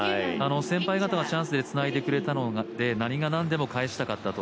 先輩方がチャンスをつないでくれたのもあって、何が何でも返したかったと。